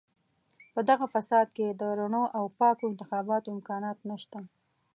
په دغه فساد کې د رڼو او پاکو انتخاباتو امکانات نشته.